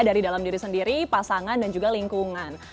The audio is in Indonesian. dari dalam diri sendiri pasangan dan juga lingkungan